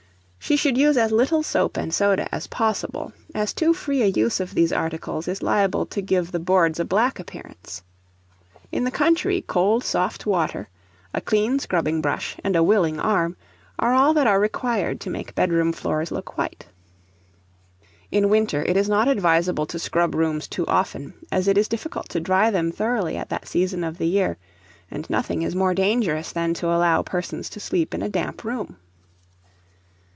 She should use as little soap and soda as possible, as too free a use of these articles is liable to give the boards a black appearance. In the country, cold soft water, a clean scrubbing brush, and a willing arm, are all that are required to make bedroom floors look white. In winter it is not advisable to scrub rooms too often, as it is difficult to dry them thoroughly at that season of the year, and nothing is more dangerous than to allow persons to sleep in a damp room.